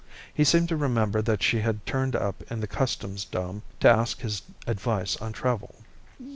He seemed to remember that she had turned up in the Customs dome to ask his advice on travel....